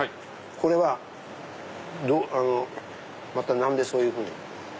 これは何でそういうふうに？